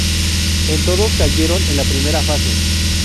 En todos cayeron en la primera fase.